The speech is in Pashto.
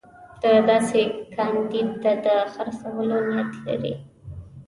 ده داسې کاندید ته د خرڅولو نیت لري.